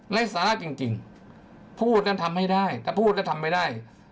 ในศาลักษณ์จริงพูดก็ทำให้ได้ถ้าพูดก็ทำให้ได้